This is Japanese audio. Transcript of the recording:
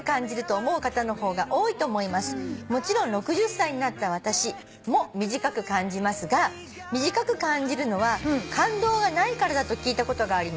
「もちろん６０歳になった私も短く感じますが短く感じるのは感動がないからだと聞いたことがあります」